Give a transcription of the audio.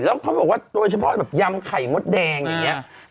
แล้วเขาบอกว่าโดยเฉพาะแบบยำไข่มดแดงอย่างนี้